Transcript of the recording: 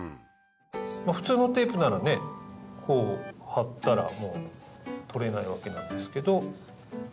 普通のテープならねこう貼ったらもう取れないわけなんですけど。